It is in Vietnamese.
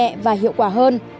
nó cũng sẽ tổ chức khó khăn hơn